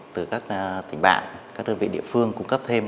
từ các tỉnh bạn các đơn vị địa phương cung cấp thêm